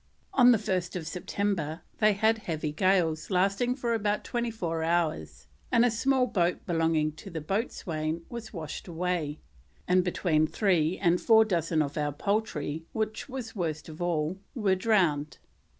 On 1st September they had heavy gales lasting for about four and twenty hours, and a small boat belonging to the boatswain was washed away, and "between three and four dozen of our poultry, which was worst of all," were drowned.